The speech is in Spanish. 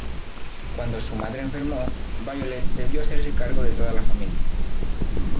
Cuando su madre enfermó, Violet debió hacerse cargo de toda la familia.